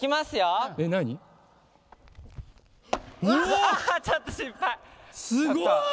すごい！